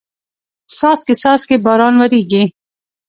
څاڅکي څاڅکي باران وریږي